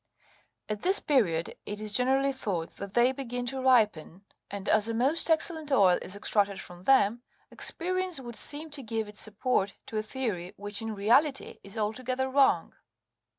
At this period it is generally thought that they begin to ripen, and as a most ex cellent oil is extracted from them, experience would seem to give its support to a theory which, in reality, is altogether wrong.